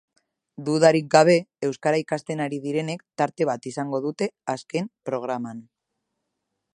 Dudarik gabe, euskara ikasten ari direnek tarte bat izango dute azken programan.